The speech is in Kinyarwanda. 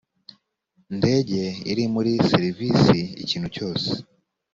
ndege iri muri serivisi ikintu cyose